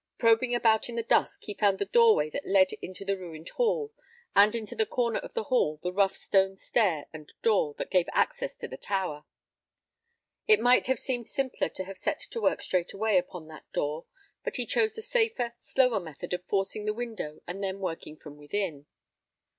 Probing about in the dusk, he found the doorway that led into the ruined hall, and in the corner of the hall the rough stone stair and door that gave access to the tower. It might have seemed simpler to have set to work straightway upon that door, but he chose the safer, slower method of forcing the window and then working from within.